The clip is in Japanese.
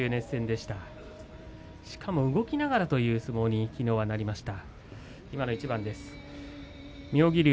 しかも動きながらという相撲になりました。